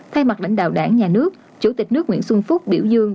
thay mặt lãnh đạo đảng nhà nước chủ tịch nước nguyễn xuân phúc biểu dương